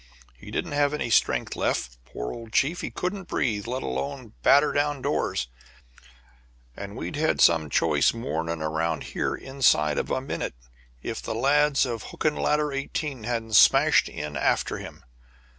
He didn't have any strength left, poor old chief; he couldn't breathe, let alone batter down doors, and we'd had some choice mourning around here inside of a minute if the lads of Hook and Ladder 18 hadn't smashed in after him.